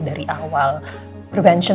dari awal prevention